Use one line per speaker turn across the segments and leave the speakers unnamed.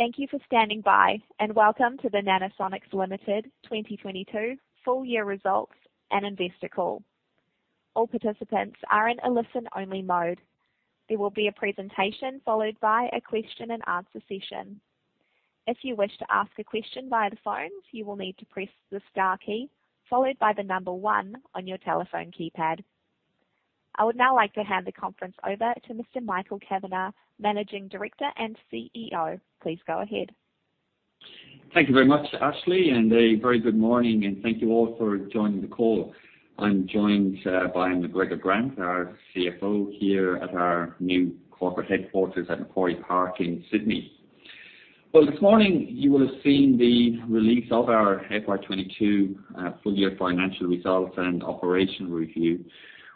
Thank you for standing by, and welcome to the Nanosonics Limited 2022 Full Year Results and Investor Call. All participants are in a listen-only mode. There will be a presentation followed by a question and answer session. If you wish to ask a question via the phone, you will need to press the star key followed by the number one on your telephone keypad. I would now like to hand the conference over to Mr. Michael Kavanagh, Managing Director and CEO. Please go ahead.
Thank you very much, Ashley, and a very good morning, and thank you all for joining the call. I'm joined by McGregor Grant, our CFO, here at our new corporate headquarters at Macquarie Park in Sydney. Well, this morning you will have seen the release of our FY 2022 full year financial results and operation review,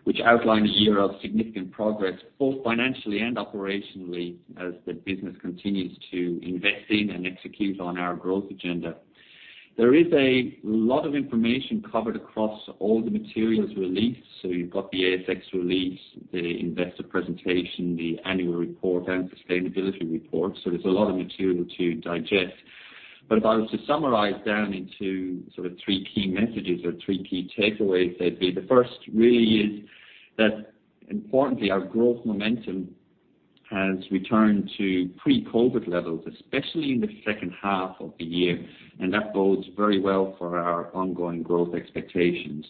which outline a year of significant progress, both financially and operationally, as the business continues to invest in and execute on our growth agenda. There is a lot of information covered across all the materials released. You've got the ASX release, the investor presentation, the annual report, and sustainability report. There's a lot of material to digest. If I was to summarize down into sort of three key messages or three key takeaways, they'd be the first really is that importantly, our growth momentum has returned to pre-COVID levels, especially in the second half of the year, and that bodes very well for our ongoing growth expectations.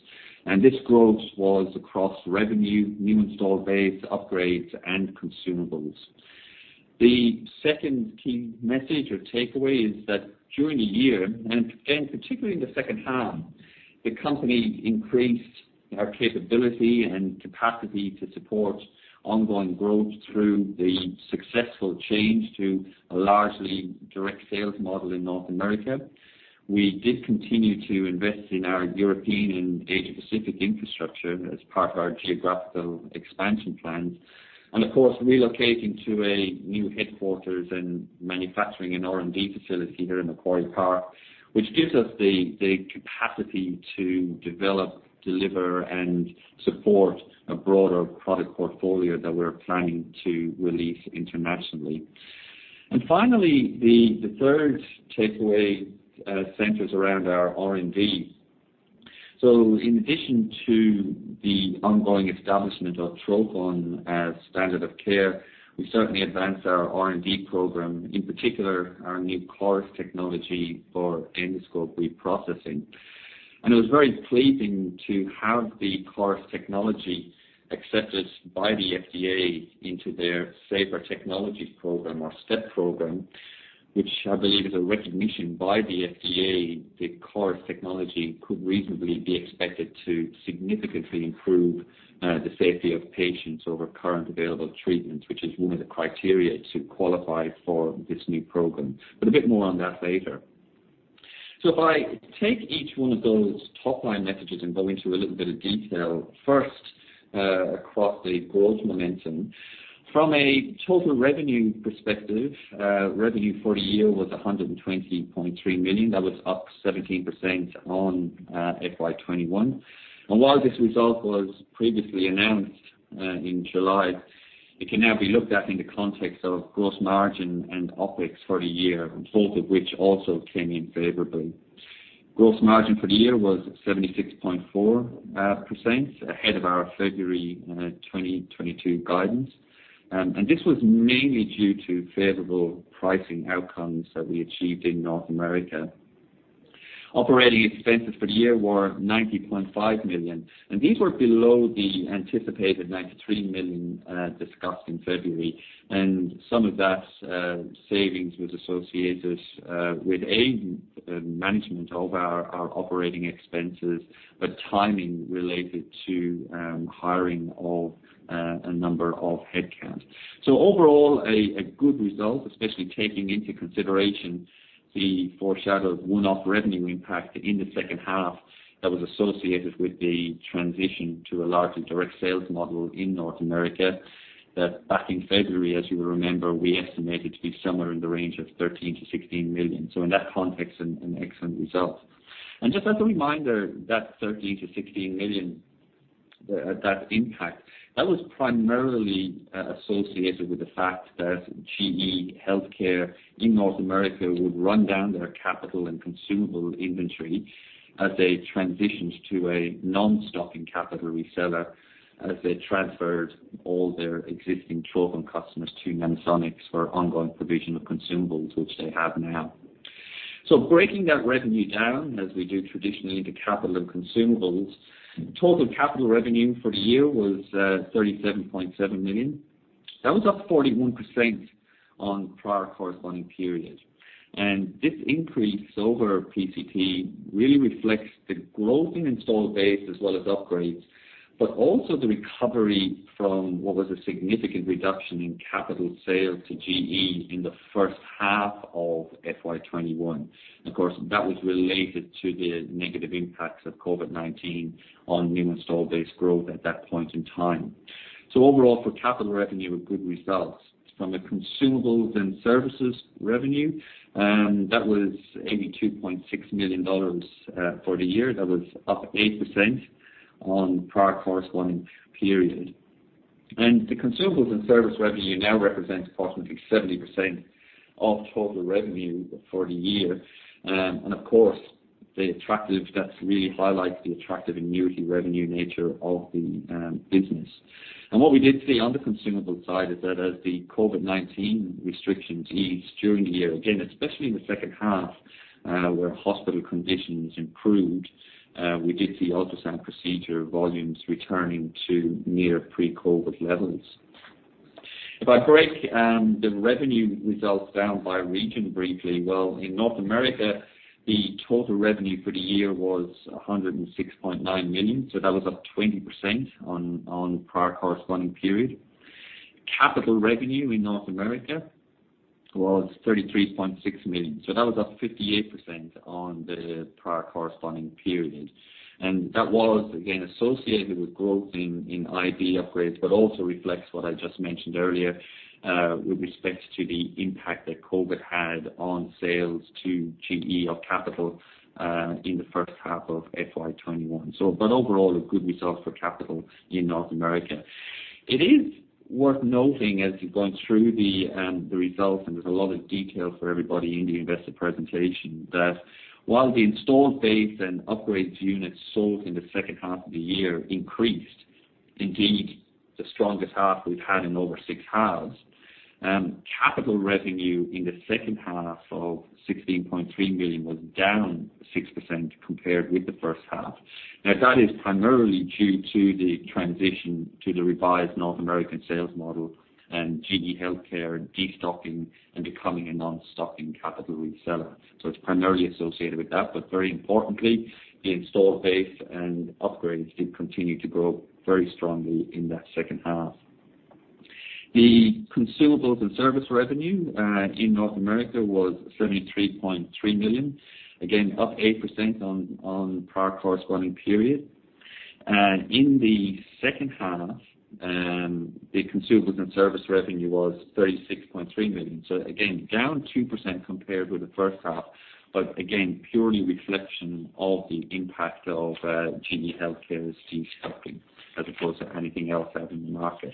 This growth was across revenue, new installed base upgrades, and consumables. The second key message or takeaway is that during the year, and again, particularly in the second half, the company increased our capability and capacity to support ongoing growth through the successful change to a largely direct sales model in North America. We did continue to invest in our European and Asia Pacific infrastructure as part of our geographical expansion plans. Of course, relocating to a new headquarters and manufacturing and R&D facility here in Macquarie Park, which gives us the capacity to develop, deliver, and support a broader product portfolio that we're planning to release internationally. Finally, the third takeaway centers around our R&D. In addition to the ongoing establishment of Trophon as standard of care, we certainly advanced our R&D program, in particular our new CORIS technology for endoscope reprocessing. It was very pleasing to have the CORIS technology accepted by the FDA into their Safer Technologies Program or STeP program, which I believe is a recognition by the FDA that CORIS technology could reasonably be expected to significantly improve the safety of patients over current available treatments, which is one of the criteria to qualify for this new program. A bit more on that later. If I take each one of those top-line messages and go into a little bit of detail, first, across the growth momentum. From a total revenue perspective, revenue for the year was 120.3 million. That was up 17% on FY 2021. While this result was previously announced in July, it can now be looked at in the context of gross margin and OpEx for the year, both of which also came in favorably. Gross margin for the year was 76.4% ahead of our February 2022 guidance. This was mainly due to favorable pricing outcomes that we achieved in North America. Operating expenses for the year were 90.5 million, and these were below the anticipated 93 million discussed in February. Some of that savings was associated with a management of our operating expenses, but timing related to hiring of a number of headcount. Overall a good result, especially taking into consideration the foreshadowed one-off revenue impact in the second half that was associated with the transition to a larger direct sales model in North America, that back in February, as you'll remember, we estimated to be somewhere in the range of 13 million-16 million. In that context, an excellent result. Just as a reminder, that 13-16 million, that impact, that was primarily associated with the fact that GE HealthCare in North America would run down their capital and consumable inventory as they transitioned to a non-stocking capital reseller, as they transferred all their existing Trophon customers to Nanosonics for ongoing provision of consumables, which they have now. Breaking that revenue down as we do traditionally to capital and consumables. Total capital revenue for the year was 37.7 million. That was up 41% on prior corresponding period. This increase over PCP really reflects the growth in installed base as well as upgrades, but also the recovery from what was a significant reduction in capital sales to GE in the first half of FY 2021. Of course, that was related to the negative impacts of COVID-19 on new installed base growth at that point in time. Overall for capital revenue were good results. From the consumables and services revenue, that was 82.6 million dollars for the year. That was up 8% on prior corresponding period. The consumables and service revenue now represents approximately 70% of total revenue for the year. That really highlights the attractive annuity revenue nature of the business. What we did see on the consumable side is that as the COVID-19 restrictions eased during the year, again, especially in the second half, where hospital conditions improved, we did see ultrasound procedure volumes returning to near pre-COVID levels. If I break the revenue results down by region briefly, well, in North America, the total revenue for the year was 106.9 million, so that was up 20% on prior corresponding period. Capital revenue in North America was 33.6 million. That was up 58% on the prior corresponding period. That was, again, associated with growth in IP upgrades, but also reflects what I just mentioned earlier, with respect to the impact that COVID had on sales to GE of capital, in the first half of FY 2021. Overall, a good result for capital in North America. It is worth noting as you're going through the results, and there's a lot of detail for everybody in the investor presentation, that while the installed base and upgrades units sold in the second half of the year increased, indeed, the strongest half we've had in over six halves, capital revenue in the second half of 16.3 million was down 6% compared with the first half. That is primarily due to the transition to the revised North American sales model and GE HealthCare destocking and becoming a non-stocking capital reseller. It's primarily associated with that. Very importantly, the installed base and upgrades did continue to grow very strongly in that second half. The consumables and service revenue in North America was 73.3 million, again, up 8% on prior corresponding period. In the second half, the consumables and service revenue was 36.3 million. Again, down 2% compared with the first half, but again, purely reflection of the impact of GE HealthCare's destocking as opposed to anything else happening in the market.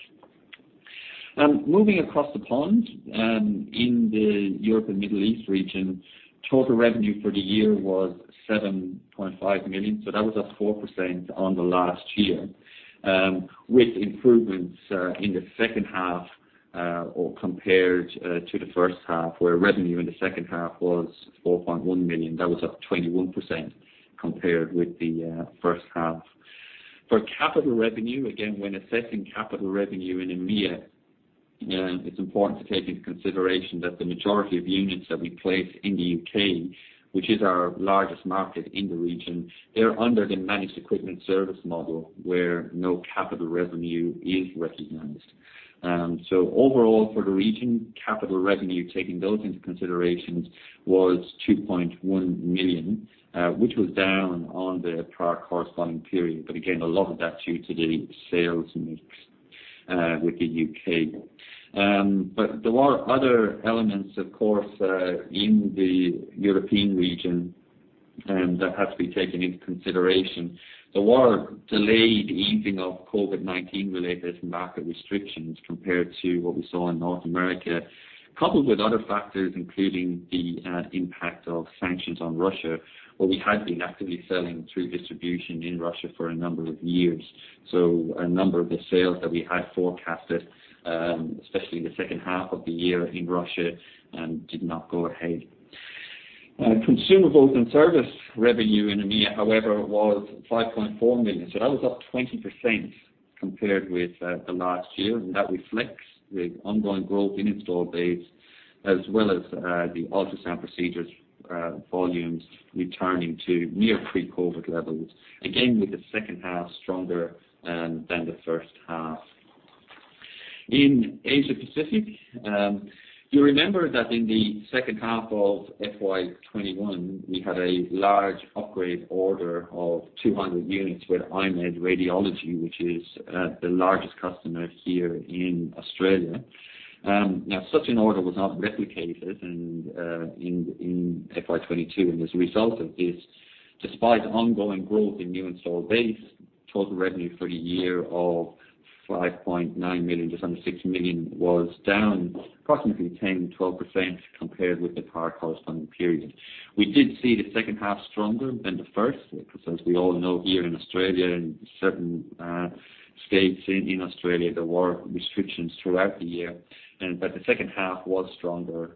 Moving across the pond, in the Europe and Middle East region, total revenue for the year was 7.5 million. That was up 4% on the last year, with improvements in the second half or compared to the first half, where revenue in the second half was 4.1 million. That was up 21% compared with the first half. For capital revenue, again, when assessing capital revenue in EMEA, it's important to take into consideration that the majority of units that we place in the U.K., which is our largest market in the region, they're under the managed equipment service model, where no capital revenue is recognized. Overall for the region, capital revenue, taking those into considerations, was 2.1 million, which was down on the prior corresponding period. Again, a lot of that due to the sales mix, with the U.K.. There were other elements, of course, in the European region, that have to be taken into consideration. There were delayed easing of COVID-19 related market restrictions compared to what we saw in North America, coupled with other factors, including the impact of sanctions on Russia, where we had been actively selling through distribution in Russia for a number of years. A number of the sales that we had forecasted, especially in the second half of the year in Russia, did not go ahead. Consumables and service revenue in EMEA, however, was 5.4 million. That was up 20% compared with the last year. That reflects the ongoing growth in installed base as well as the ultrasound procedures volumes returning to near pre-COVID levels, again, with the second half stronger than the first half. In Asia Pacific, you remember that in the second half of FY 2021, we had a large upgrade order of 200 units with I-MED Radiology, which is the largest customer here in Australia. Now such an order was not replicated in FY 2022. As a result of this, despite ongoing growth in new installed base, total revenue for the year of 5.9 million, just under 6 million, was down approximately 10%-12% compared with the prior corresponding period. We did see the second half stronger than the first, because as we all know, here in Australia, in certain states in Australia, there were restrictions throughout the year. But the second half was stronger,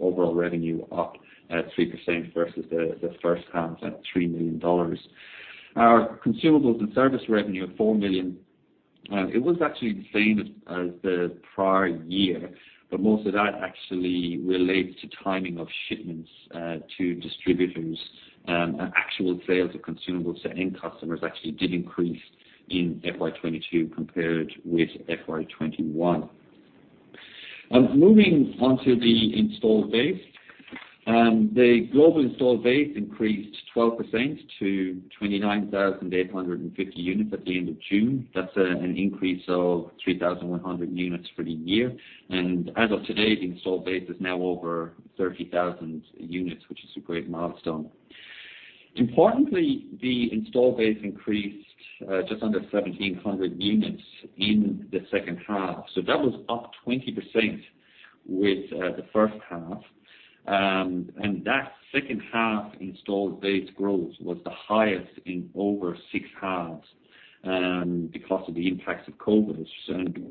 overall revenue up at 3% versus the first half at 3 million dollars. Our consumables and service revenue of 4 million, it was actually the same as the prior year, but most of that actually relates to timing of shipments to distributors. Actual sales of consumables to end customers actually did increase in FY 2022 compared with FY 2021. Moving on to the installed base. The global installed base increased 12% to 29,850 units at the end of June. That's an increase of 3,100 units for the year. As of today, the installed base is now over 30,000 units, which is a great milestone. Importantly, the installed base increased just under 1,700 units in the second half. That was up 20% with the first half. That second half installed base growth was the highest in over six halves, because of the impacts of COVID.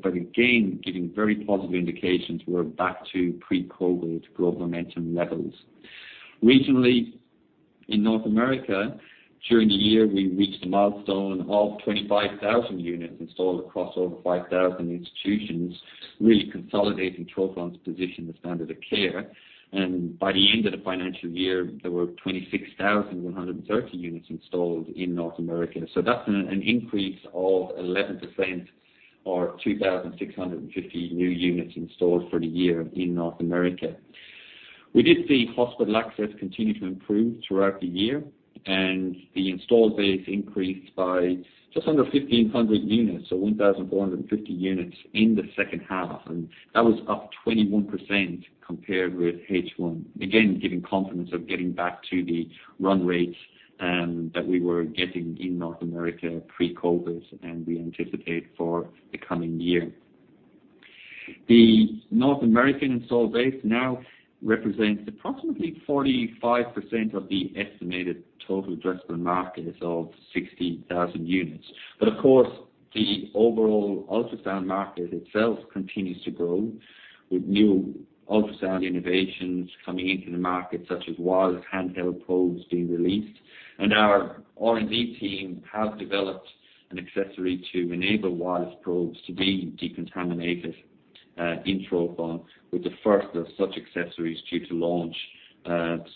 Again, giving very positive indications we're back to pre-COVID growth momentum levels. Regionally in North America, during the year, we reached a milestone of 25,000 units installed across over 5,000 institutions, really consolidating Trophon's position as the standard of care. By the end of the financial year, there were 26,130 units installed in North America. That's an increase of 11% or 2,650 new units installed for the year in North America. We did see hospital access continue to improve throughout the year, and the installed base increased by just under 1,500 units. 1,450 units in the second half. That was up 21% compared with H1. Again, giving confidence of getting back to the run rates that we were getting in North America pre-COVID and we anticipate for the coming year. The North American installed base now represents approximately 45% of the estimated total addressable market of 60,000 units. Of course, the overall ultrasound market itself continues to grow with new ultrasound innovations coming into the market, such as wireless handheld probes being released. Our R&D team have developed an accessory to enable wireless probes to be decontaminated in Trophon with the first of such accessories due to launch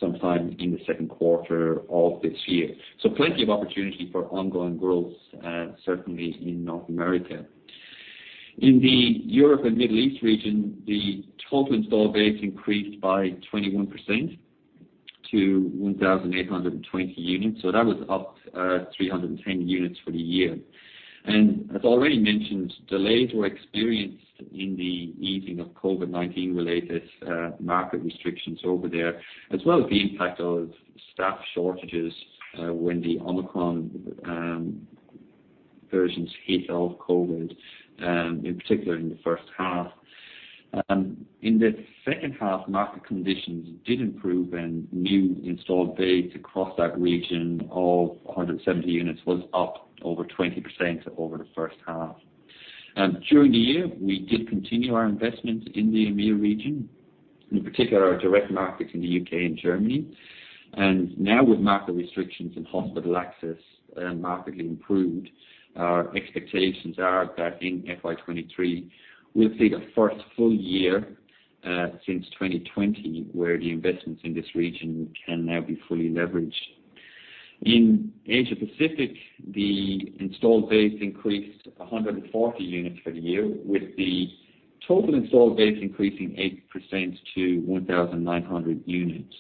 sometime in the Q2 of this year. Plenty of opportunity for ongoing growth certainly in North America. In the EMEA region, the total installed base increased by 21% to 1,820 units. That was up 310 units for the year. As already mentioned, delays were experienced in the easing of COVID-19 related market restrictions over there, as well as the impact of staff shortages when the Omicron variant of COVID hit in particular in the first half. In the second half, market conditions did improve and new installed base across that region of 170 units was up over 20% over the first half. During the year, we did continue our investment in the EMEA region, in particular our direct markets in the U.K. and Germany. Now with market restrictions and hospital access, markedly improved, our expectations are that in FY 2023 we'll see the first full year since 2020 where the investments in this region can now be fully leveraged. In Asia Pacific, the installed base increased 140 units for the year, with the total installed base increasing 8% to 1,900 units.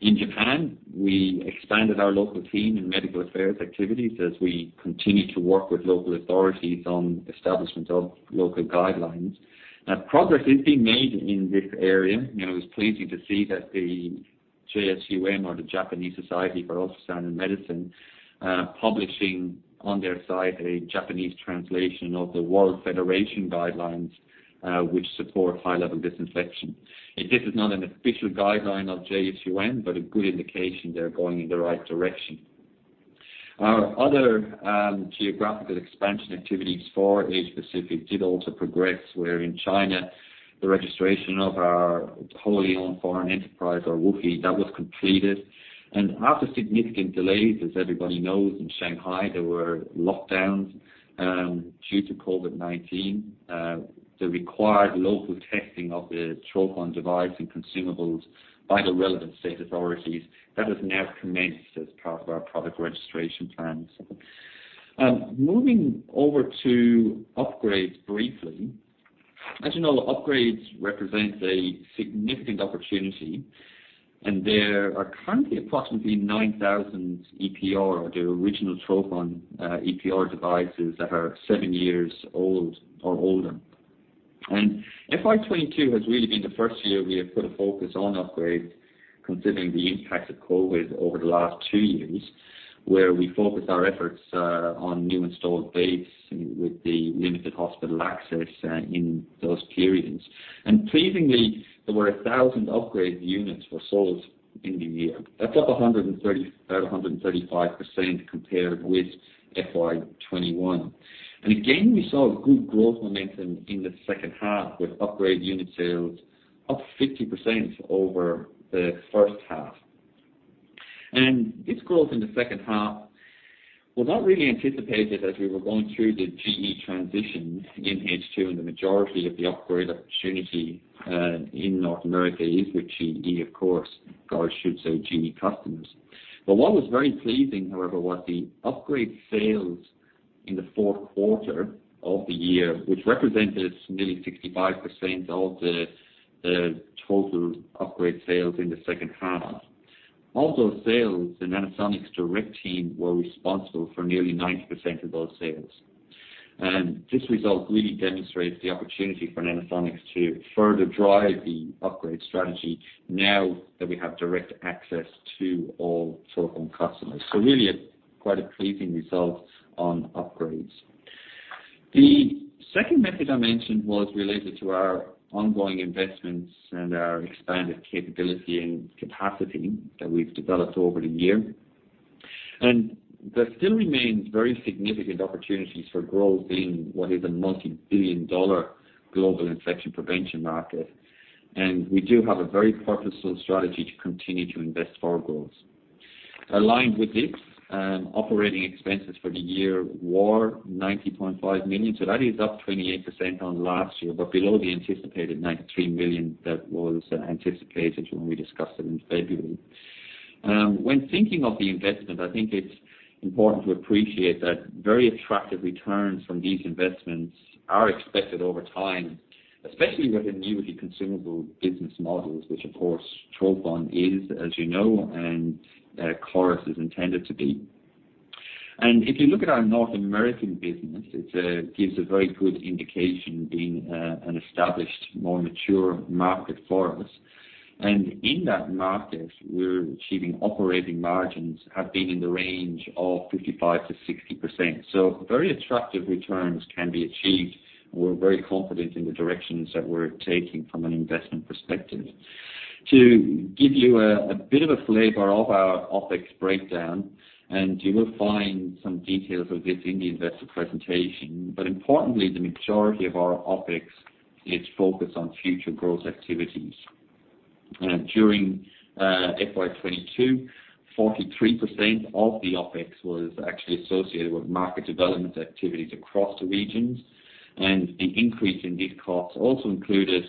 In Japan, we expanded our local team in medical affairs activities as we continue to work with local authorities on establishment of local guidelines. Now, progress is being made in this area, and it was pleasing to see that the JSUM or the Japan Society of Ultrasonics in Medicine publishing on their site a Japanese translation of the World Federation guidelines, which support high-level disinfection. This is not an official guideline of JSUM, but a good indication they're going in the right direction. Our other geographical expansion activities for Asia Pacific did also progress, where in China, the registration of our wholly owned foreign enterprise or WFOE, that was completed. After significant delays, as everybody knows, in Shanghai, there were lockdowns due to COVID-19. The required local testing of the Trophon device and consumables by the relevant state authorities, that has now commenced as part of our product registration plans. Moving over to upgrades briefly. As you know, upgrades represent a significant opportunity, and there are currently approximately 9,000 EPR or the original Trophon EPR devices that are seven years old or older. FY 2022 has really been the first year we have put a focus on upgrades considering the impact of COVID over the last two years, where we focused our efforts on new installed base with the limited hospital access in those periods. Pleasingly, there were 1,000 upgrade units were sold in the year. That's up 130, at 135% compared with FY 2021. Again, we saw good growth momentum in the second half with upgrade unit sales up 50% over the first half. This growth in the second half was not really anticipated as we were going through the GE transition in H2 and the majority of the upgrade opportunity in North America is with GE, of course, or I should say GE customers. What was very pleasing, however, was the upgrade sales in the Q4 of the year, which represented nearly 65% of the total upgrade sales in the second half. Of those sales, the Nanosonics direct team were responsible for nearly 90% of those sales. This result really demonstrates the opportunity for Nanosonics to further drive the upgrade strategy now that we have direct access to all Trophon customers. Really quite a pleasing result on upgrades. The second method I mentioned was related to our ongoing investments and our expanded capability and capacity that we've developed over the year. There still remains very significant opportunities for growth in what is a multi-billion dollar global infection prevention market. We do have a very purposeful strategy to continue to invest for our growth. Aligned with this, operating expenses for the year were 90.5 million. That is up 28% on last year, but below the anticipated 93 million that was anticipated when we discussed it in February. When thinking of the investment, I think it's important to appreciate that very attractive returns from these investments are expected over time, especially with the newly consumable business models, which of course, Trophon is, as you know, and, CORIS is intended to be. If you look at our North American business, it gives a very good indication being an established, more mature market for us. In that market, we're achieving operating margins have been in the range of 55%-60%. Very attractive returns can be achieved, and we're very confident in the directions that we're taking from an investment perspective. To give you a bit of a flavor of our OpEx breakdown, and you will find some details of this in the investor presentation. Importantly, the majority of our OpEx is focused on future growth activities. During FY 2022, 43% of the OpEx was actually associated with market development activities across the regions. The increase in these costs also included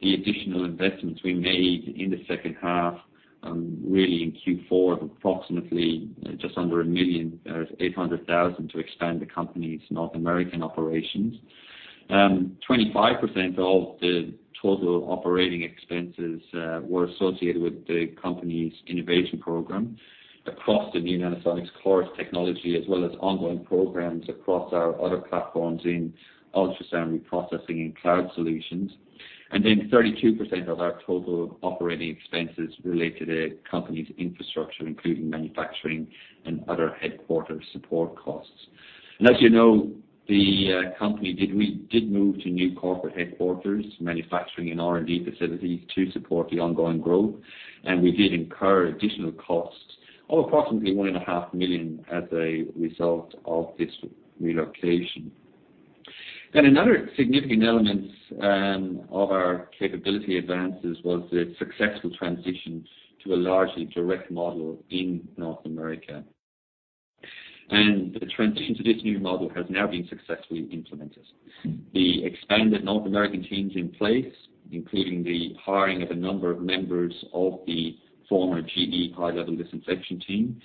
the additional investments we made in the second half, really in Q4, of approximately just under 1.8 million to expand the company's North American operations. 25% of the total operating expenses were associated with the company's innovation program across the new Nanosonics CORIS technology, as well as ongoing programs across our other platforms in ultrasound reprocessing and cloud solutions. 32% of our total operating expenses relate to the company's infrastructure, including manufacturing and other headquarters support costs. As you know, we did move to new corporate headquarters, manufacturing and R&D facilities to support the ongoing growth. We did incur additional costs of approximately 1.5 million as a result of this relocation. Another significant element of our capability advances was the successful transition to a largely direct model in North America. The transition to this new model has now been successfully implemented. The expanded North American team's in place, including the hiring of a number of members of the former GE high-level disinfection team.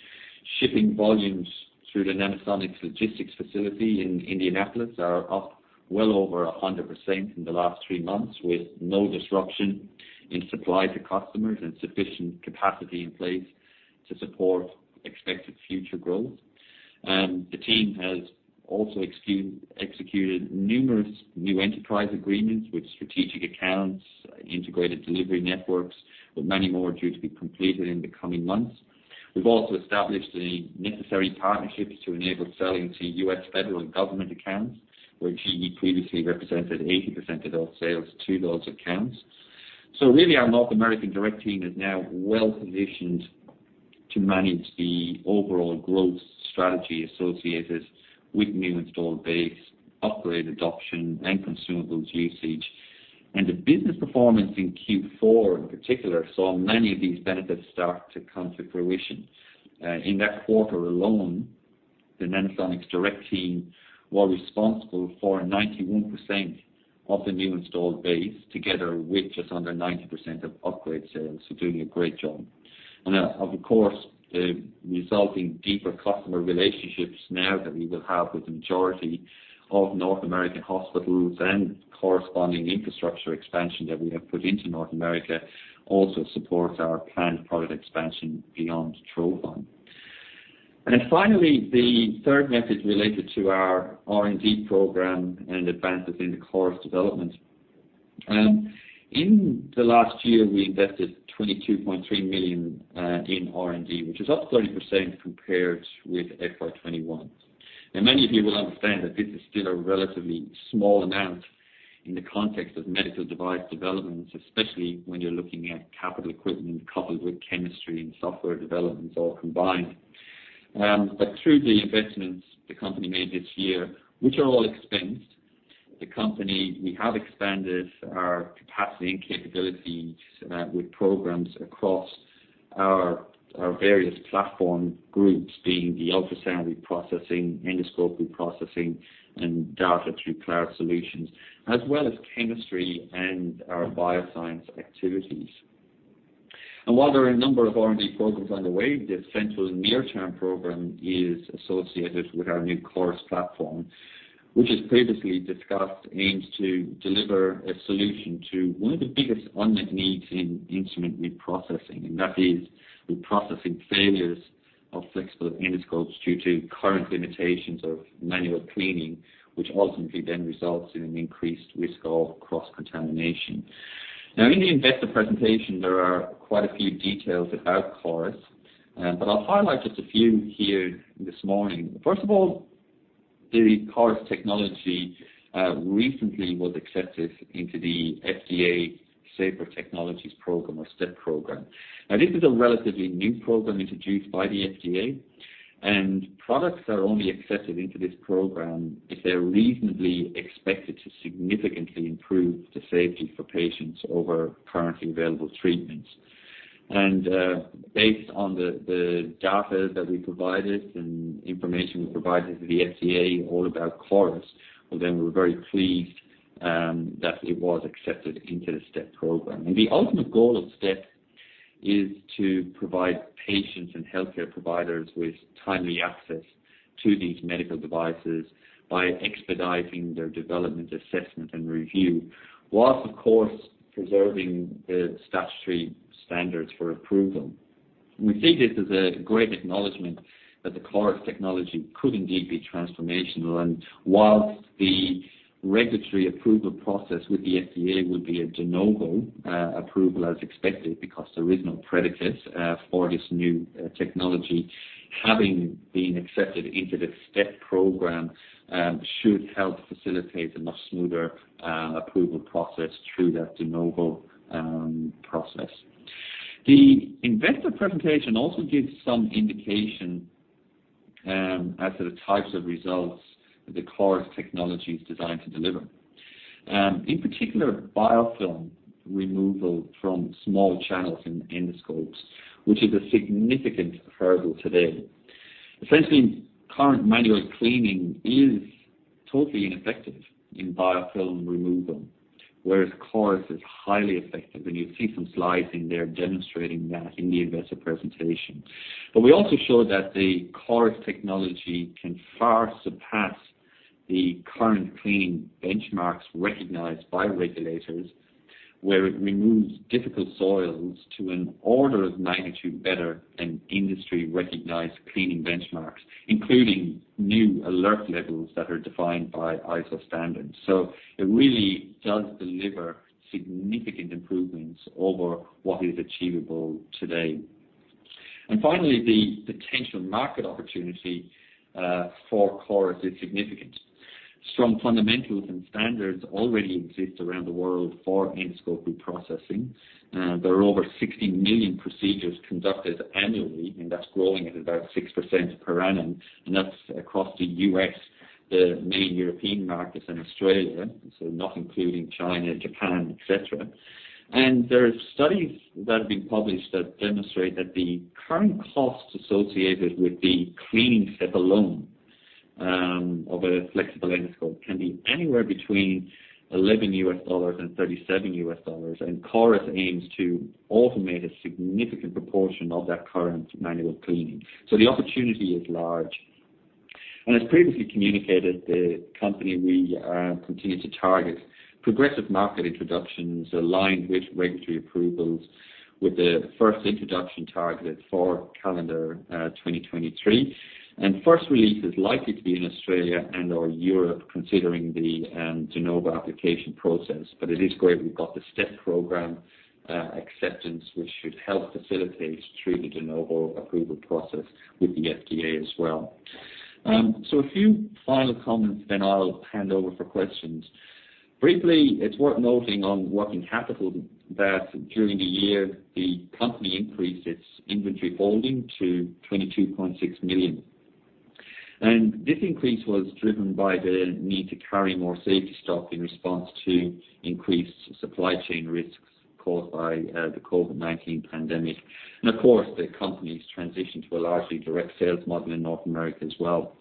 Shipping volumes through the Nanosonics logistics facility in Indianapolis are up well over 100% in the last three months, with no disruption in supply to customers and sufficient capacity in place to support expected future growth. The team has also executed numerous new enterprise agreements with strategic accounts, integrated delivery networks, with many more due to be completed in the coming months. We've also established the necessary partnerships to enable selling to U.S. federal and government accounts, where GE previously represented 80% of all sales to those accounts. So really our North American direct team is now well-positioned to manage the overall growth strategy associated with new installed base, upgrade adoption, and consumables usage. The business performance in Q4, in particular, saw many of these benefits start to come to fruition. In that quarter alone, the Nanosonics direct team were responsible for 91% of the new installed base, together with just under 90% of upgrade sales, so doing a great job. Of course, the resulting deeper customer relationships now that we will have with the majority of North American hospitals and corresponding infrastructure expansion that we have put into North America also supports our planned product expansion beyond Trophon. Then finally, the third method related to our R&D program and advances in the CORIS development. In the last year, we invested 22.3 million in R&D, which is up 30% compared with FY 2021. Now, many of you will understand that this is still a relatively small amount in the context of medical device development, especially when you're looking at capital equipment coupled with chemistry and software developments all combined. Through the investments the company made this year, which are all expensed, the company, we have expanded our capacity and capabilities, with programs across our various platform groups, being the ultrasound reprocessing, endoscope reprocessing, and data through cloud solutions, as well as chemistry and our bioscience activities. While there are a number of R&D programs underway, the central near-term program is associated with our new CORIS platform. Which as previously discussed, aims to deliver a solution to one of the biggest unmet needs in instrument reprocessing, and that is reprocessing failures of flexible endoscopes due to current limitations of manual cleaning, which ultimately then results in an increased risk of cross-contamination. Now in the investor presentation, there are quite a few details about CORIS, but I'll highlight just a few here this morning. First of all, the CORIS technology recently was accepted into the FDA Safer Technologies Program or STeP program. Now, this is a relatively new program introduced by the FDA, and products are only accepted into this program if they're reasonably expected to significantly improve the safety for patients over currently available treatments. Based on the data that we provided and information we provided to the FDA all about CORIS, well, then we're very pleased that it was accepted into the STeP program. The ultimate goal of STeP is to provide patients and healthcare providers with timely access to these medical devices by expediting their development, assessment, and review, while of course preserving the statutory standards for approval. We see this as a great acknowledgment that the CORIS technology could indeed be transformational. While the regulatory approval process with the FDA would be a De Novo approval as expected because there is no predicate for this new technology, having been accepted into the STeP program should help facilitate a much smoother approval process through that De Novo process. The investor presentation also gives some indication as to the types of results the CORIS technology is designed to deliver. In particular, biofilm removal from small channels in endoscopes, which is a significant hurdle today. Essentially, current manual cleaning is totally ineffective in biofilm removal, whereas CORIS is highly effective, and you'll see some slides in there demonstrating that in the investor presentation. We also showed that the CORIS technology can far surpass the current cleaning benchmarks recognized by regulators, where it removes difficult soils to an order of magnitude better than industry-recognized cleaning benchmarks, including new alert levels that are defined by ISO standards. It really does deliver significant improvements over what is achievable today. Finally, the potential market opportunity for CORIS is significant. Strong fundamentals and standards already exist around the world for endoscope reprocessing. There are over 16 million procedures conducted annually, and that's growing at about 6% per annum, and that's across the U.S., the main European markets, and Australia, so not including China, Japan, et cetera. There are studies that have been published that demonstrate that the current costs associated with the cleaning step alone of a flexible endoscope can be anywhere between $11 and $37. CORIS aims to automate a significant proportion of that current manual cleaning, so the opportunity is large. As previously communicated, the company, we continue to target progressive market introductions aligned with regulatory approvals with the first introduction targeted for calendar 2023. First release is likely to be in Australia and/or Europe considering the De Novo application process. It is great we've got the STeP program acceptance, which should help facilitate through the De Novo approval process with the FDA as well. A few final comments then I'll hand over for questions. Briefly, it's worth noting on working capital that during the year the company increased its inventory holding to 22.6 million. This increase was driven by the need to carry more safety stock in response to increased supply chain risks caused by the COVID-19 pandemic. Of course, the company's transition to a largely direct sales model in North America as well.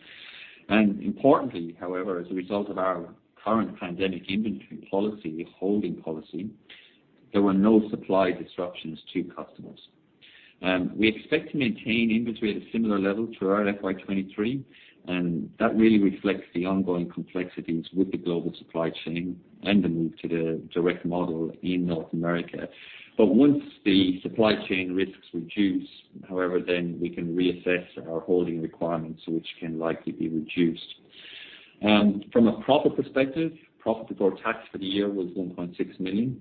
Importantly, however, as a result of our current pandemic inventory policy, holding policy, there were no supply disruptions to customers. We expect to maintain inventory at a similar level throughout FY 2023, and that really reflects the ongoing complexities with the global supply chain and the move to the direct model in North America. Once the supply chain risks reduce, however, then we can reassess our holding requirements, which can likely be reduced. From a profit perspective, profit before tax for the year was 1.6 million,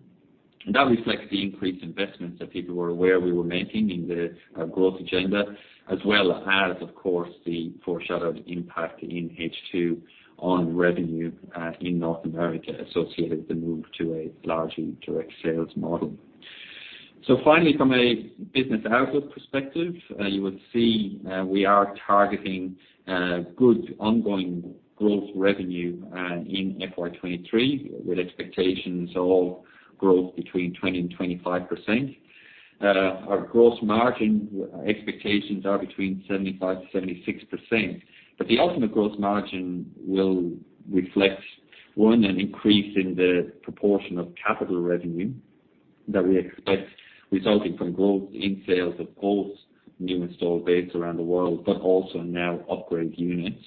and that reflects the increased investments that people were aware we were making in the growth agenda, as well as, of course, the foreshadowed impact in H2 on revenue in North America associated with the move to a largely direct sales model. Finally, from a business outlook perspective, you will see we are targeting good ongoing growth revenue in FY 2023, with expectations of growth between 20% and 25%. Our gross margin expectations are between 75%-76%, but the ultimate gross margin will reflect one, an increase in the proportion of capital revenue that we expect resulting from growth in sales of both new installed base around the world, but also now upgrade units.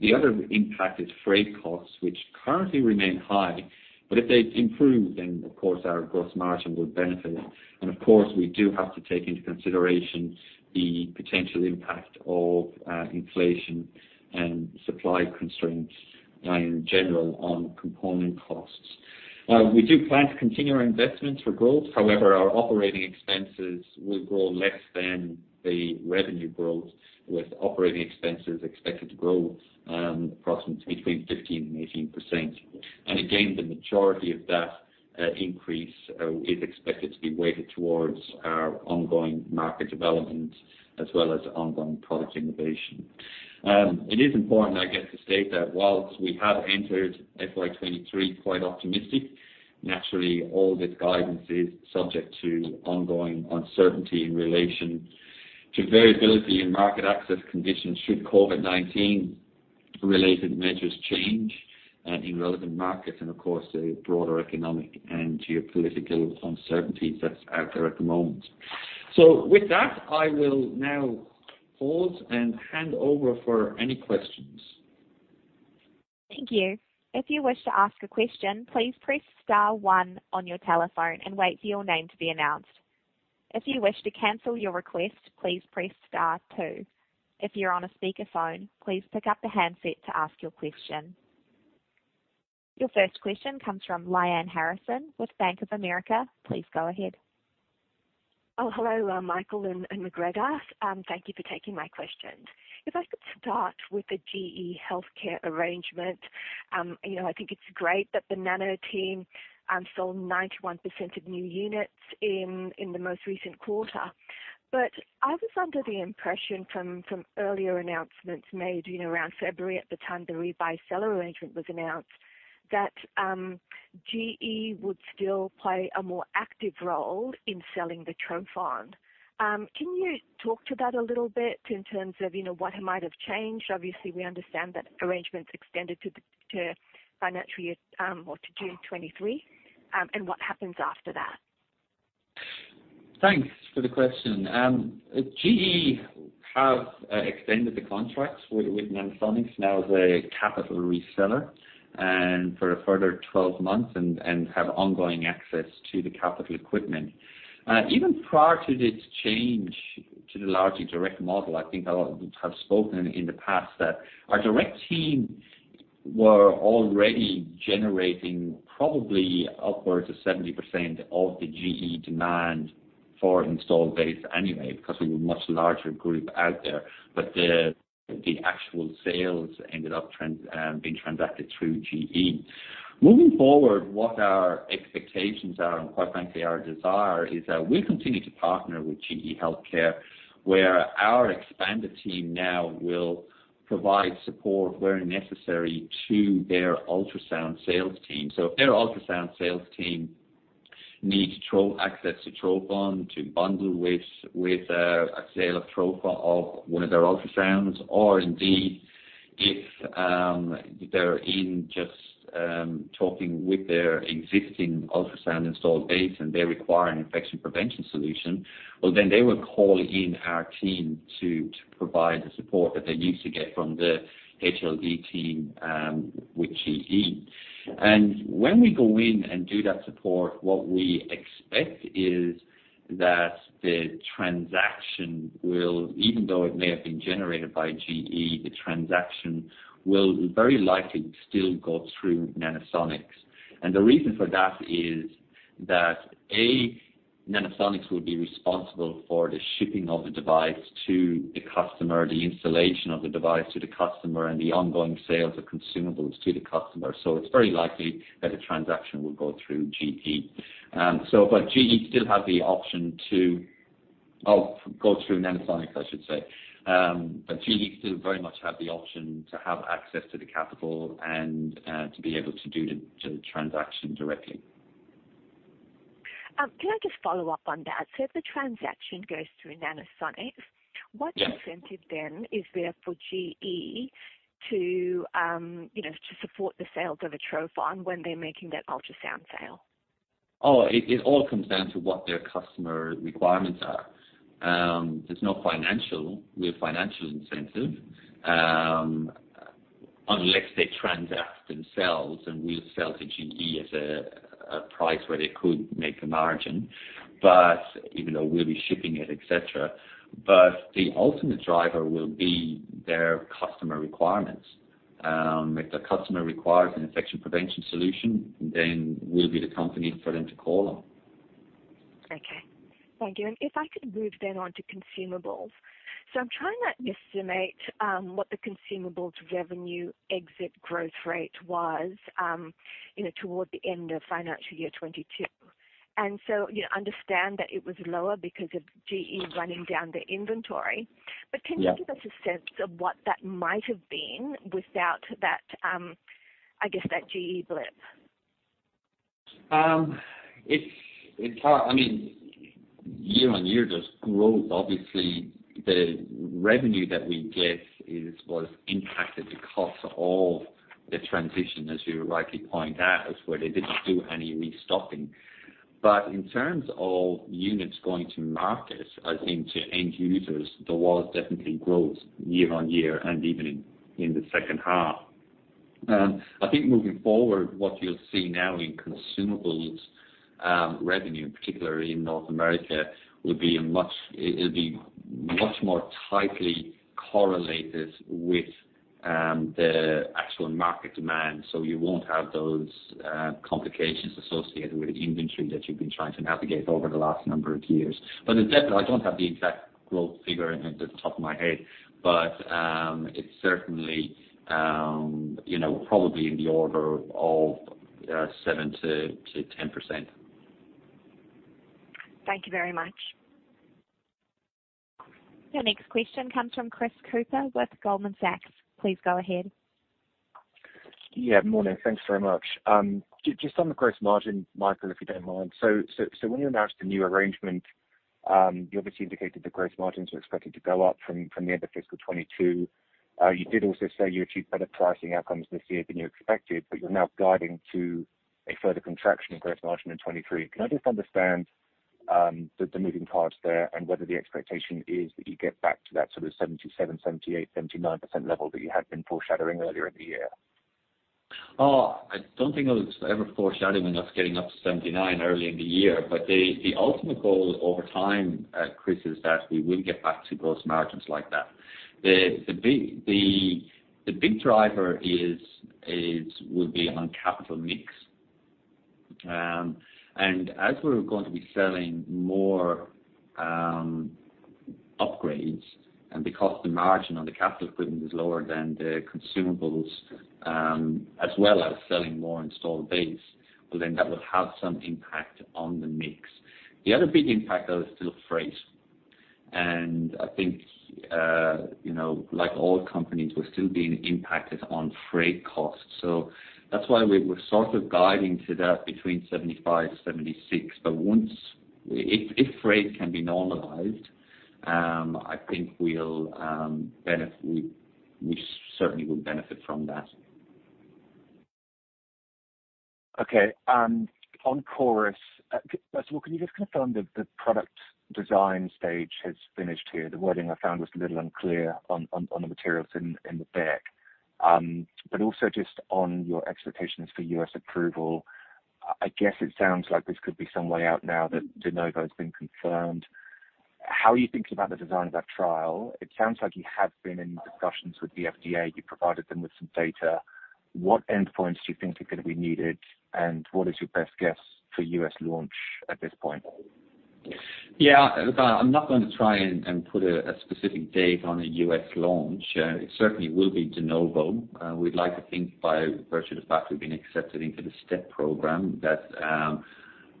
The other impact is freight costs, which currently remain high, but if they improve, then of course our gross margin would benefit. Of course, we do have to take into consideration the potential impact of inflation and supply constraints in general on component costs. We do plan to continue our investments for growth. However, our operating expenses will grow less than the revenue growth, with operating expenses expected to grow approximately between 15% and 18%. Again, the majority of that increase is expected to be weighted towards our ongoing market development as well as ongoing product innovation. It is important, I guess, to state that while we have entered FY 2023 quite optimistic, naturally all this guidance is subject to ongoing uncertainty in relation to variability in market access conditions should COVID-19 related measures change, in relevant markets and of course, the broader economic and geopolitical uncertainty that's out there at the moment. With that, I will now pause and hand over for any questions.
Thank you. If you wish to ask a question, please press star one on your telephone and wait for your name to be announced. If you wish to cancel your request, please press star two. If you're on a speakerphone, please pick up the handset to ask your question. Your first question comes from Lyanne Harrison with Bank of America. Please go ahead.
Oh, hello, Michael and McGregor. Thank you for taking my questions. If I could start with the GE HealthCare arrangement. You know, I think it's great that the Nano team sold 91% of new units in the most recent quarter. I was under the impression from earlier announcements made, you know, around February at the time the reseller arrangement was announced, that GE would still play a more active role in selling the Trophon. Can you talk to that a little bit in terms of, you know, what might have changed? Obviously, we understand that arrangement is extended to the financial year or to June 2023, and what happens after that?
Thanks for the question. GE have extended the contracts with Nanosonics now as a capital reseller, and for a further 12 months and have ongoing access to the capital equipment. Even prior to this change to the larger direct model, I think I have spoken in the past that our direct team were already generating probably upwards of 70% of the GE demand for installed base anyway, because we were much larger group out there. But the actual sales ended up being transacted through GE. Moving forward, what our expectations are, and quite frankly our desire, is that we continue to partner with GE HealthCare, where our expanded team now will provide support where necessary to their ultrasound sales team. If their ultrasound sales team need to throw access to Trophon to bundle with a sale of one of their ultrasounds, or indeed if they're even just talking with their existing ultrasound installed base and they require an infection prevention solution, well, then they will call in our team to provide the support that they used to get from the HLD team with GE. When we go in and do that support, what we expect is that the transaction will, even though it may have been generated by GE, the transaction will very likely still go through Nanosonics. The reason for that is that, A, Nanosonics will be responsible for the shipping of the device to the customer, the installation of the device to the customer and the ongoing sales of consumables to the customer. It's very likely that the transaction will go through GE. GE still have the option to go through Nanosonics, I should say. GE still very much have the option to have access to the capital and to be able to do the transaction directly.
Can I just follow up on that? If the transaction goes through Nanosonics.
Yeah.
What incentive then is there for GE to, you know, to support the sales of a Trophon when they're making that ultrasound sale?
It all comes down to what their customer requirements are. There's no financial, real financial incentive, unless they transact themselves and we sell to GE as a price where they could make a margin. Even though we'll be shipping it, et cetera. The ultimate driver will be their customer requirements. If the customer requires an infection prevention solution, then we'll be the company for them to call on.
Okay. Thank you. If I could move then on to consumables. I'm trying to estimate what the consumables revenue exit growth rate was, you know, towards the end of financial year 2022. You know, understand that it was lower because of GE running down the inventory.
Yeah.
Can you give us a sense of what that might have been without that, I guess that GE blip?
It's hard. I mean, year-over-year, there's growth. Obviously, the revenue that we get was impacted because of the transition, as you rightly point out, as where they didn't do any restocking. In terms of units going to market as in to end users, there was definitely growth year-over-year and even in the second half. I think moving forward, what you'll see now in consumables revenue, particularly in North America, will be much more tightly correlated with the actual market demand. You won't have those complications associated with inventory that you've been trying to navigate over the last number of years. Exactly, I don't have the exact growth figure at the top of my head, but it's certainly, you know, probably in the order of 7%-10%.
Thank you very much. Your next question comes from Chris Cooper with Goldman Sachs. Please go ahead.
Morning. Thanks very much. Just on the gross margin, Michael, if you don't mind. When you announced the new arrangement, you obviously indicated the gross margins were expected to go up from the end of fiscal 2022. You did also say you achieved better pricing outcomes this year than you expected, but you're now guiding to a further contraction in gross margin in 2023. Can I just understand the moving parts there and whether the expectation is that you get back to that sort of 77%, 78%, 79% level that you had been foreshadowing earlier in the year?
Oh, I don't think I was ever foreshadowing us getting up to 79% early in the year, but the ultimate goal over time, Chris, is that we will get back to gross margins like that. The big driver will be on capital mix. And as we're going to be selling more upgrades and because the margin on the capital equipment is lower than the consumables, as well as selling more installed base, well, then that will have some impact on the mix. The other big impact though is still freight. I think, you know, like all companies, we're still being impacted on freight costs. That's why we're sort of guiding to that between 75%-76%. Once. If freight can be normalized, we certainly will benefit from that.
Okay. On CORIS, first of all, can you just confirm the product design stage has finished here? The wording I found was a little unclear on the materials in the deck. Also just on your expectations for U.S. approval, I guess it sounds like this could be some way out now that De Novo has been confirmed. How are you thinking about the design of that trial? It sounds like you have been in discussions with the FDA. You provided them with some data. What endpoints do you think are gonna be needed, and what is your best guess for U.S. launch at this point?
Yeah. Look, I'm not gonna try and put a specific date on a U.S. launch. It certainly will be De Novo. We'd like to think by virtue of the fact we've been accepted into the STeP program that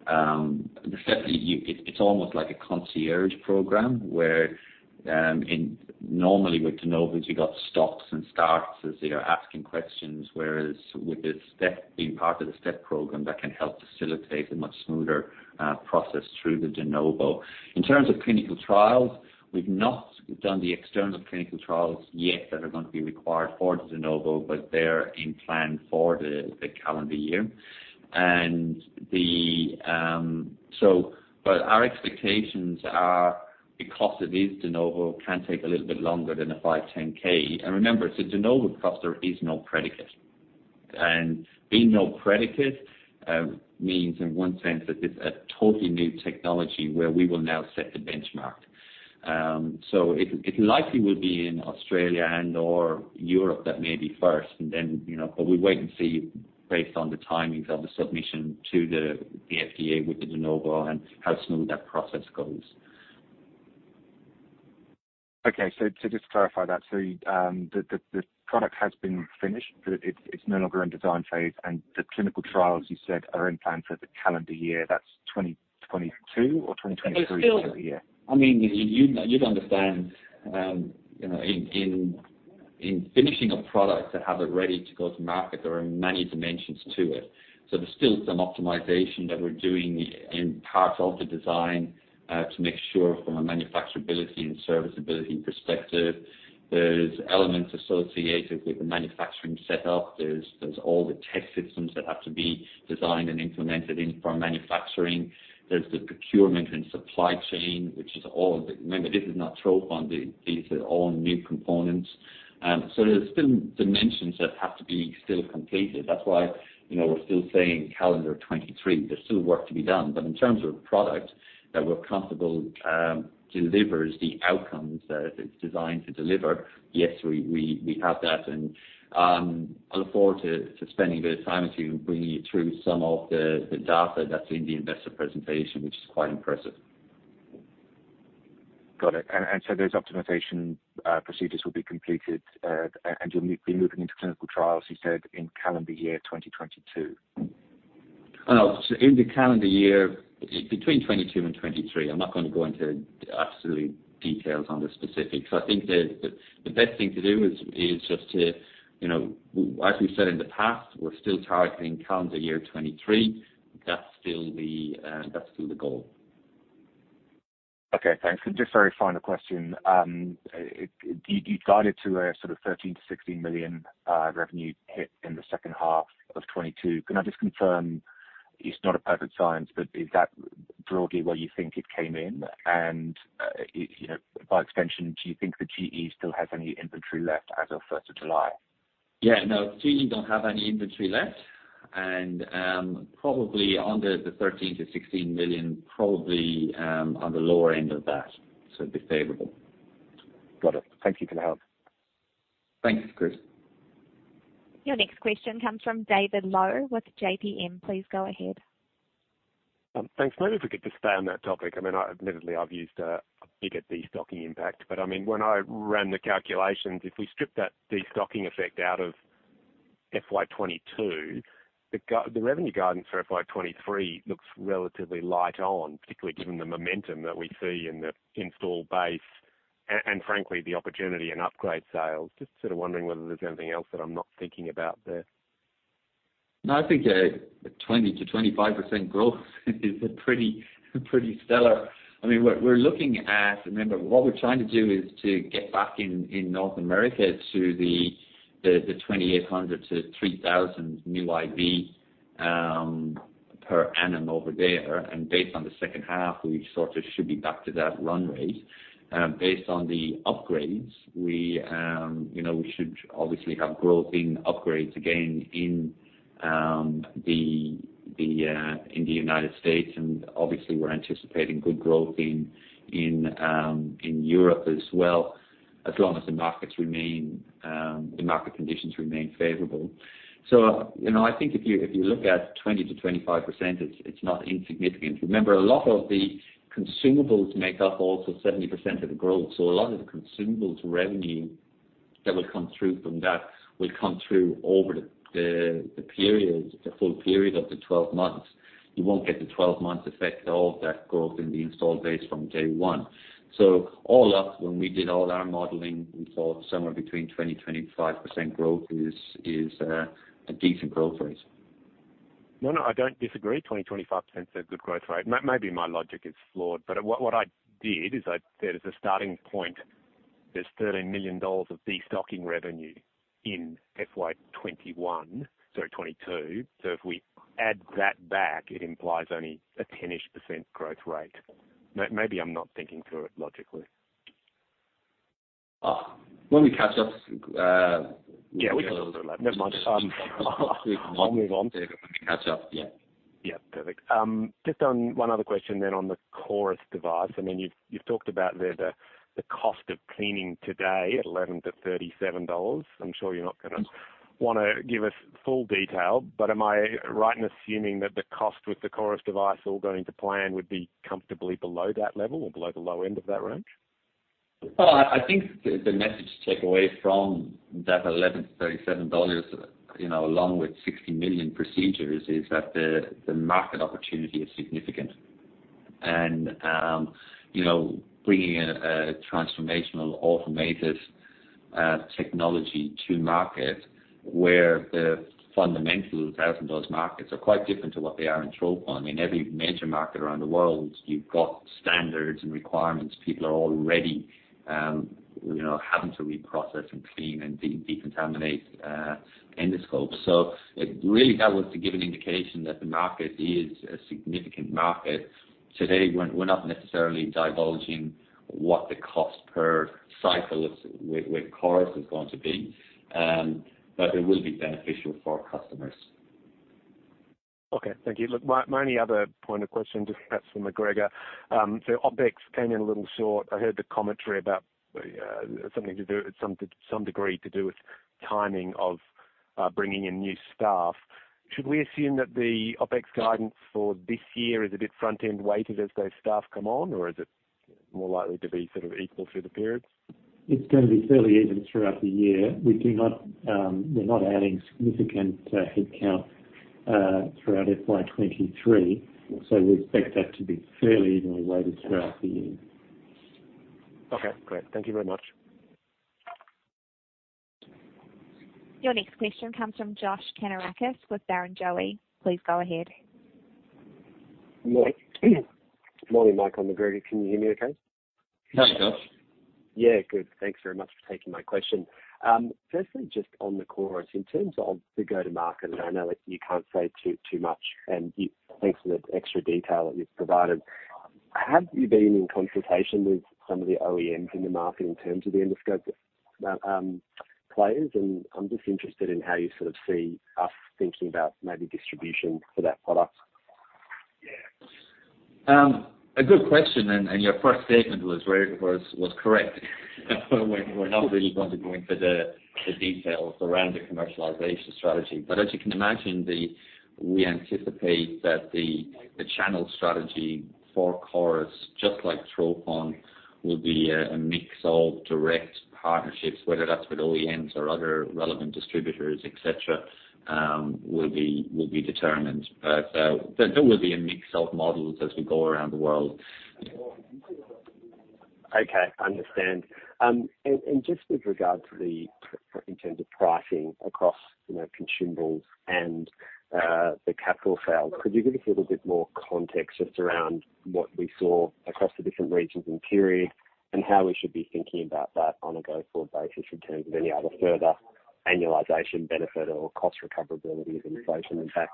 it's almost like a concierge program, where normally with De Novos, you got stops and starts as they are asking questions, whereas with the STeP, being part of the STeP program that can help facilitate a much smoother process through the De Novo. In terms of clinical trials, we've not done the external clinical trials yet that are gonna be required for the De Novo, but they're in plan for the calendar year. Our expectations are because it is De Novo, can take a little bit longer than a 510(k). Remember, it's a De Novo, thus there is no predicate. Being no predicate means in one sense that it's a totally new technology where we will now set the benchmark. So it likely will be in Australia and/or Europe that may be first and then, you know. We wait and see based on the timings of the submission to the FDA with the De Novo and how smooth that process goes.
Okay. To just clarify that, the product has been finished. It's no longer in design phase, and the clinical trials you said are planned for the calendar year. That's 2022 or 2023 calendar year?
There's still I mean, you'd understand, you know, in finishing a product to have it ready to go to market, there are many dimensions to it. There's still some optimization that we're doing in parts of the design, to make sure from a manufacturability and serviceability perspective. There's elements associated with the manufacturing setup. There's all the tech systems that have to be designed and implemented in from manufacturing. There's the procurement and supply chain, which is all. Remember, this is not Trophon. These are all new components. There's still dimensions that have to be still completed. That's why, you know, we're still saying calendar 2023. There's still work to be done. In terms of product that we're comfortable, delivers the outcomes that it's designed to deliver, yes, we have that. I look forward to spending a bit of time with you and bringing you through some of the data that's in the investor presentation, which is quite impressive.
Got it. Those optimization procedures will be completed, and you'll be moving into clinical trials, you said in calendar year 2022.
In the calendar year between 2022 and 2023. I'm not gonna go into absolute details on the specifics. I think the best thing to do is just to, you know, as we've said in the past, we're still targeting calendar year 2023. That's still the goal.
Okay, thanks. Just very final question. You guided to a sort of 13-16 million revenue hit in the second half of 2022. Can I just confirm, it's not a perfect science, but is that broadly where you think it came in? You know, by extension, do you think that GE still has any inventory left as of July 1?
Yeah, no, clearly don't have any inventory left. Probably under 13-16 million, probably on the lower end of that, so be favorable.
Got it. Thank you for the help.
Thanks, Chris.
Your next question comes from David Low with JPM. Please go ahead.
Thanks. Maybe if we could just stay on that topic. I mean, admittedly, I've used a bigger destocking impact, but I mean, when I ran the calculations, if we strip that destocking effect out of FY 2022, the revenue guidance for FY 2023 looks relatively light on, particularly given the momentum that we see in the install base and frankly, the opportunity in upgrade sales. Just sort of wondering whether there's anything else that I'm not thinking about there.
No, I think 20%-25% growth is a pretty stellar. I mean, we're looking at. Remember, what we're trying to do is to get back in North America to the 2,800-3,000 new installs per annum over there. Based on the second half, we sort of should be back to that runway. Based on the upgrades, you know, we should obviously have growth in upgrades again in the United States, and obviously we're anticipating good growth in Europe as well, as long as the market conditions remain favorable. You know, I think if you look at 20%-25%, it's not insignificant. Remember, a lot of the consumables make up also 70% of the growth, so a lot of the consumables revenue that will come through from that will come through over the period, the full period of the 12 months. You won't get the 12 months effect of all of that growth in the installed base from day one. All up, when we did all our modeling, we thought somewhere between 20%-25% growth is a decent growth rate.
No, no, I don't disagree. 20-25% is a good growth rate. Maybe my logic is flawed, but what I did is there is a starting point. There's 13 million dollars of destocking revenue in FY 2021, sorry, 2022. So if we add that back, it implies only a 10-ish% growth rate. Maybe I'm not thinking through it logically.
Let me catch up.
Yeah, we can talk a little later. Never mind. I'll move on.
Catch up. Yeah.
Perfect. Just on one other question then on the CORIS device. I mean, you've talked about the cost of cleaning today at $11-$37. I'm sure you're not gonna wanna give us full detail, but am I right in assuming that the cost with the CORIS device all going to plan would be comfortably below that level or below the low end of that range?
Well, I think the message to take away from that $11-$37, you know, along with 60 million procedures, is that the market opportunity is significant. You know, bringing a transformational automated technology to market where the fundamentals out in those markets are quite different to what they are in Trophon. I mean, every major market around the world, you've got standards and requirements. People are already, you know, having to reprocess and clean and decontaminate endoscopes. Really that was to give an indication that the market is a significant market. Today we're not necessarily divulging what the cost per cycle with CORIS is going to be, but it will be beneficial for our customers.
Okay. Thank you. Look, my only other point of question, just perhaps for McGregor. So OpEx came in a little short. I heard the commentary about something to do with some degree to do with timing of bringing in new staff. Should we assume that the OpEx guidance for this year is a bit front-end weighted as those staff come on, or is it more likely to be sort of equal through the periods?
It's gonna be fairly even throughout the year. We do not, we're not adding significant headcount throughout FY 2023, so we expect that to be fairly evenly weighted throughout the year.
Okay, great. Thank you very much.
Your next question comes from Josh Kannourakis with Barrenjoey. Please go ahead.
Morning. Morning, Mike and McGregor, can you hear me okay?
Yes.
Hi, Josh.
Yeah. Good. Thanks very much for taking my question. Firstly, just on the CORIS, in terms of the go to market, I know you can't say too much, and thanks for the extra detail that you've provided. Have you been in consultation with some of the OEMs in the market in terms of the endoscope players? I'm just interested in how you sort of see us thinking about maybe distribution for that product.
A good question, and your first statement was correct. We're not really going to go into the details around the commercialization strategy. As you can imagine, we anticipate that the channel strategy for CORIS, just like Trophon, will be a mix of direct partnerships, whether that's with OEMs or other relevant distributors, et cetera, will be determined. There will be a mix of models as we go around the world.
Okay. Understand. Just with regard to in terms of pricing across, you know, consumables and the capital sales, could you give us a little bit more context just around what we saw across the different regions in period and how we should be thinking about that on a go-forward basis in terms of any other further annualization benefit or cost recoverability of inflation impact?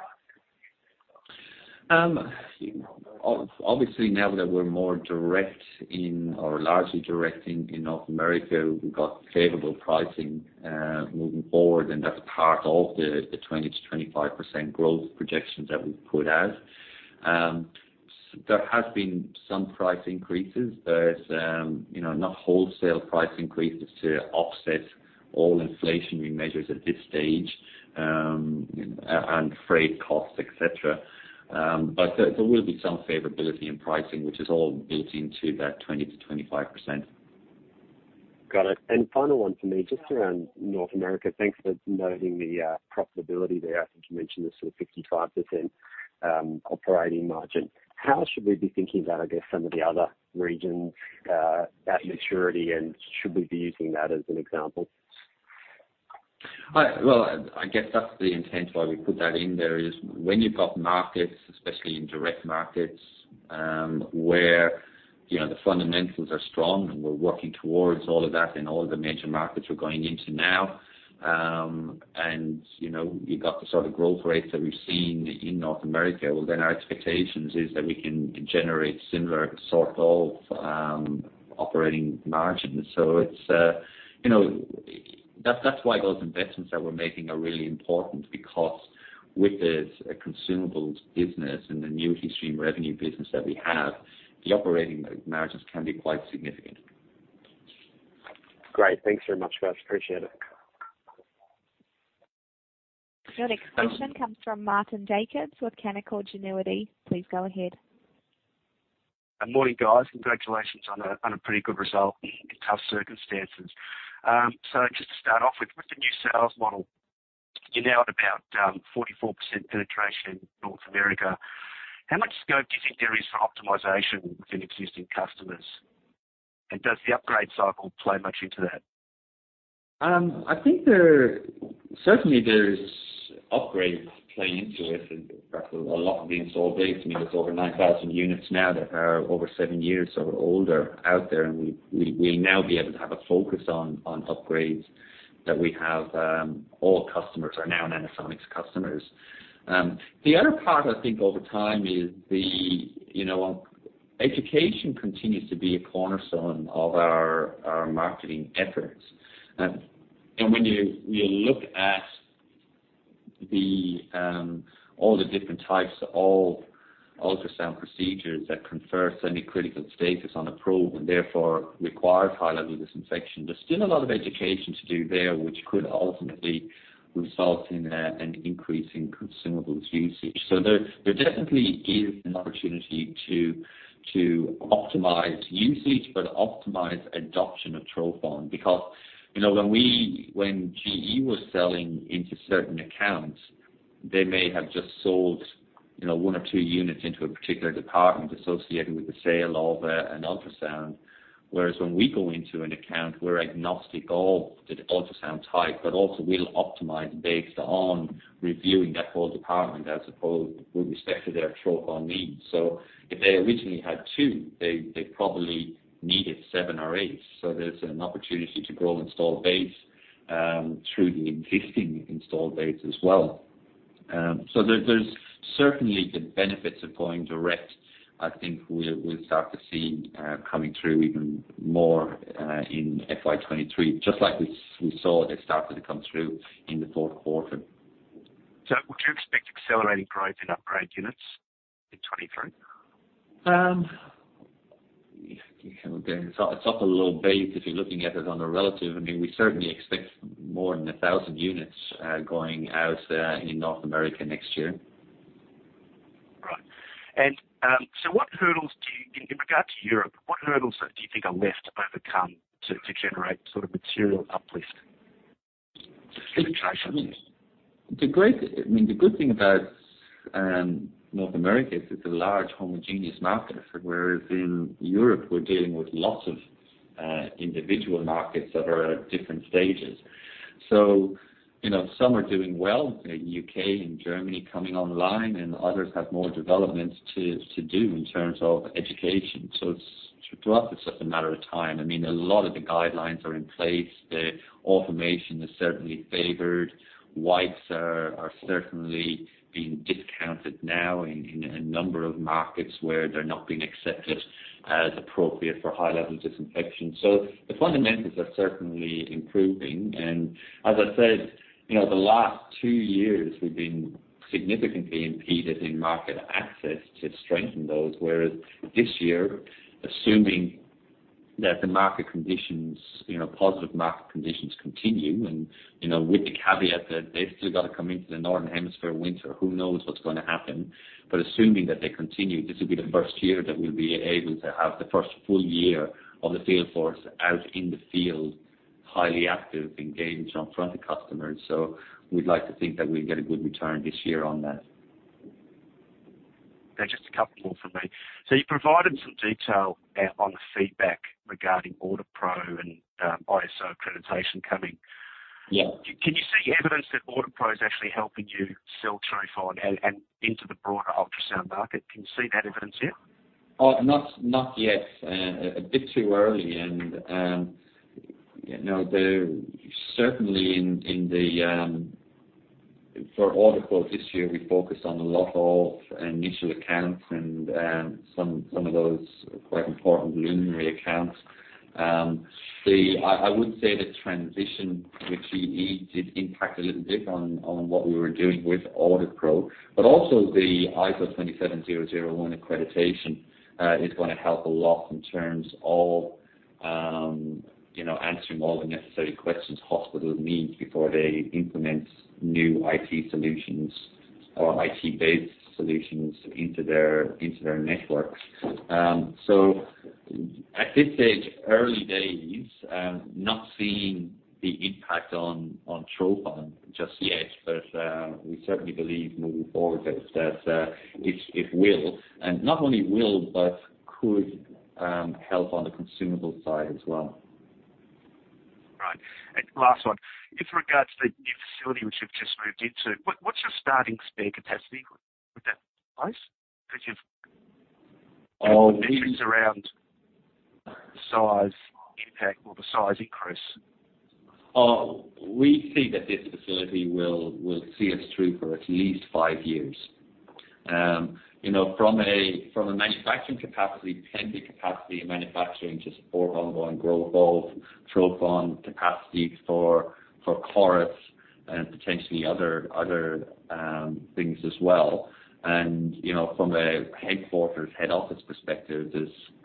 Obviously now that we're more direct in or largely directing in North America, we've got favorable pricing moving forward, and that's part of the 20%-25% growth projections that we've put out. There has been some price increases. There's, you know, not wholesale price increases to offset all inflationary measures at this stage, and freight costs, et cetera. There will be some favorability in pricing, which is all built into that 20%-25%.
Got it. Final one for me, just around North America. Thanks for noting the profitability there. I think you mentioned the sort of 55% operating margin. How should we be thinking about, I guess, some of the other regions that maturity, and should we be using that as an example?
Well, I guess that's the intent why we put that in there is when you've got markets, especially in direct markets, where, you know, the fundamentals are strong and we're working towards all of that in all the major markets we're going into now, and, you know, you've got the sort of growth rates that we've seen in North America, well, then our expectations is that we can generate similar sort of operating margins. It's, you know. That's why those investments that we're making are really important because with the consumables business and the annuity stream revenue business that we have, the operating margins can be quite significant.
Great. Thanks very much, guys. Appreciate it.
Your next question comes from Martyn Jacobs with Canaccord Genuity. Please go ahead.
Morning, guys. Congratulations on a pretty good result in tough circumstances. So just to start off with the new sales model, you're now at about 44% penetration in North America. How much scope do you think there is for optimization within existing customers? Does the upgrade cycle play much into that?
I think certainly there's upgrades playing into it. In fact, a lot of the installed base. I mean, there's over 9,000 units now that are over seven years or older out there, and we'll now be able to have a focus on upgrades that we have. All customers are now Nanosonics customers. The other part I think over time is, you know, education continues to be a cornerstone of our marketing efforts. When you look at all the different types of ultrasound procedures that confer semi-critical status on a probe and therefore require high-level disinfection, there's still a lot of education to do there, which could ultimately result in an increase in consumables usage. There definitely is an opportunity to optimize usage, but optimize adoption of Trophon because, you know, when GE was selling into certain accounts, they may have just sold, you know, one or two units into a particular department associated with the sale of an ultrasound. Whereas when we go into an account, we're agnostic of the ultrasound type, but also we'll optimize based on reviewing that whole department as opposed with respect to their Trophon needs. If they originally had two, they probably needed seven or eight. There's an opportunity to grow installed base through the existing installed base as well. There's certainly the benefits of going direct. I think we'll start to see coming through even more in FY 2023, just like we saw that started to come through in the Q4.
Would you expect accelerating growth in upgrade units in 2023?
It's off a low base if you're looking at it on a relative. I mean, we certainly expect more than 1,000 units going out in North America next year.
Right. In regard to Europe, what hurdles do you think are left to overcome to generate sort of material uplift?
The good thing about North America is it's a large homogeneous market, whereas in Europe we're dealing with lots of individual markets that are at different stages. You know, some are doing well, U.K. and Germany coming online and others have more development to do in terms of education. It's throughout it's just a matter of time. I mean, a lot of the guidelines are in place. The automation is certainly favored. Wipes are certainly being discounted now in a number of markets where they're not being accepted as appropriate for high-level disinfection. The fundamentals are certainly improving. As I said, you know, the last two years we've been significantly impeded in market access to strengthen those. Whereas this year, assuming that the market conditions, you know, positive market conditions continue and, you know, with the caveat that they've still got to come into the Northern Hemisphere winter, who knows what's gonna happen. Assuming that they continue, this will be the first year that we'll be able to have the first full year of the field force out in the field, highly active, engaged in front of customers. We'd like to think that we'd get a good return this year on that.
Just a couple more from me. You provided some detail on the feedback regarding AuditPro and ISO accreditation coming.
Yeah.
Can you see evidence that AuditPro is actually helping you sell Trophon and into the broader ultrasound market? Can you see that evidence yet?
Not yet. A bit too early. No, certainly in the for AuditPro this year, we focused on a lot of initial accounts and some of those quite important luminary accounts. I would say the transition with GE did impact a little bit on what we were doing with AuditPro, but also the ISO 27001 accreditation is gonna help a lot in terms of you know answering all the necessary questions hospitals need before they implement new IT solutions or IT-based solutions into their networks. I could say early days, not seeing the impact on Trophon just yet, but we certainly believe moving forward that it will. Not only will, but could help on the consumable side as well.
Right. Last one. With regards to the new facility which you've just moved into, what's your starting spare capacity with that place? Because you've
Oh.
The metrics around size impact or the size increase.
We think that this facility will see us through for at least five years. You know, from a manufacturing capacity, plenty capacity in manufacturing to support ongoing growth, both Trophon capacity for CORIS and potentially other things as well. You know, from a headquarters head office perspective,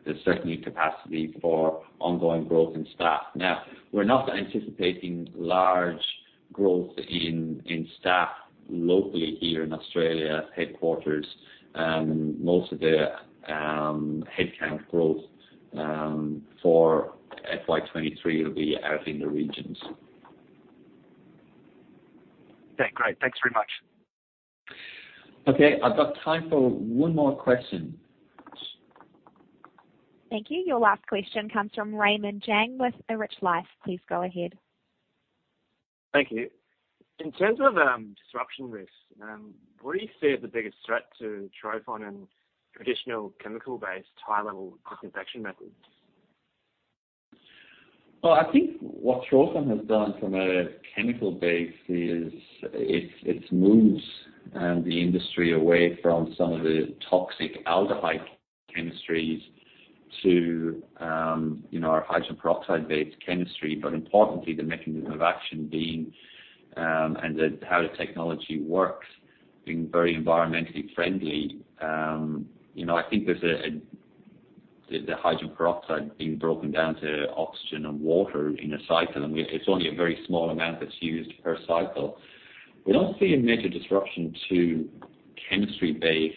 there's certainly capacity for ongoing growth in staff. Now, we're not anticipating large growth in staff locally here in Australia headquarters, most of the headcount growth for FY 2023 will be out in the regions.
Okay, great. Thanks very much.
Okay. I've got time for one more question.
Thank you. Your last question comes from Raymond Zhang with A Rich Life. Please go ahead.
Thank you. In terms of, disruption risk, what do you see as the biggest threat to Trophon and traditional chemical-based high-level disinfection methods?
Well, I think what Trophon has done from a chemical base is it moves the industry away from some of the toxic aldehyde chemistries to you know our hydrogen peroxide-based chemistry, but importantly, the mechanism of action being and the how the technology works being very environmentally friendly. You know, I think the hydrogen peroxide being broken down to oxygen and water in a cycle, and it's only a very small amount that's used per cycle. We don't see a major disruption to chemistry-based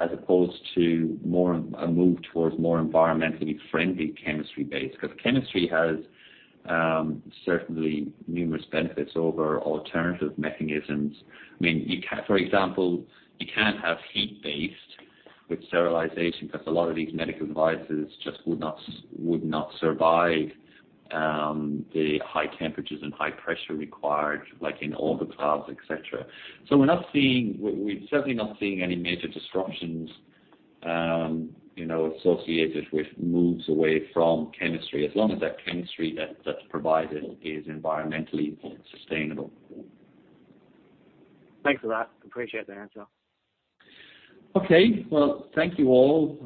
as opposed to a move towards more environmentally friendly chemistry-based, 'cause chemistry has certainly numerous benefits over alternative mechanisms. I mean, for example, you can't have heat-based with sterilization, 'cause a lot of these medical devices just would not survive the high temperatures and high pressure required, like in autoclaves, et cetera. We're not seeing any major disruptions, you know, associated with moves away from chemistry as long as that chemistry that's provided is environmentally sustainable.
Thanks for that. Appreciate the answer.
Okay. Well, thank you all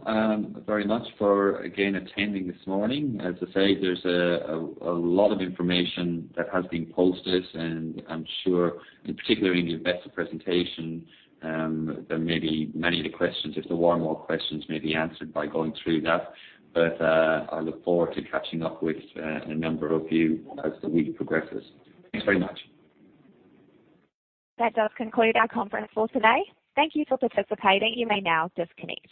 very much for, again, attending this morning. As I say, there's a lot of information that has been posted, and I'm sure, and particularly in the investor presentation, there may be many of the questions if there were more questions may be answered by going through that. I look forward to catching up with a number of you as the week progresses. Thanks very much.
That does conclude our conference call today. Thank you for participating. You may now disconnect.